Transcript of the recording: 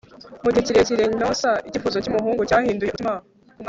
mu igihe kirekire cyonsa icyifuzo cyumuhungu cyahinduye umutima kumwana